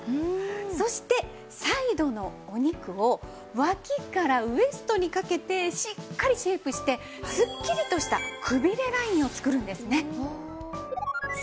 そしてサイドのお肉を脇からウエストにかけてしっかりシェイプしてすっきりとしたクビレラインを作るんですね。